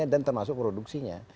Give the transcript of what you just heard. dan termasuk produksinya